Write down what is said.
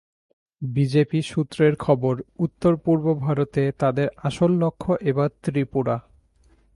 BJP সূত্রের খবর, উত্তর পূর্ব ভারতে তাদের আসল লক্ষ্য এবার ত্রিপুরা।